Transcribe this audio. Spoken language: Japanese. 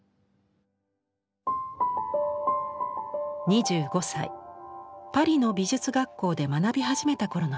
２５歳パリの美術学校で学び始めた頃の作品。